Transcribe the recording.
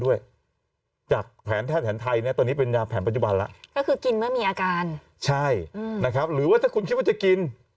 จากแผนแพทย์แผนไทยเนี่ยตอนนี้เป็นยาแผนปัจจุบันแล้วก็คือกินเมื่อมีอาการใช่นะครับหรือว่าถ้าคุณคิดว่าจะกิน